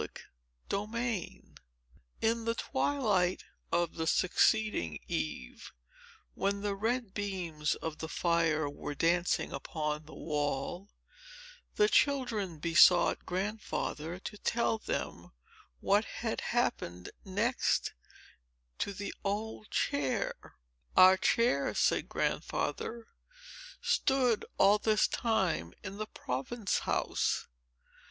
Chapter X In the twilight of the succeeding eve, when the red beams of the fire were dancing upon the wall, the children besought Grandfather to tell them what had next happened to the old chair. "Our chair," said Grandfather, "stood all this time in the Province House.